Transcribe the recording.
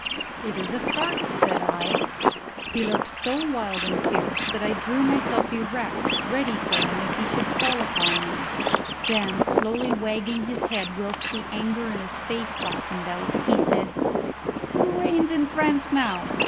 "It is the fact," said I. He looked so wild and fierce that I drew myself erect ready for him if he should fall upon me. Then, slowly wagging his head whilst the anger in his face softened out, he said, "Who reigns in France now?"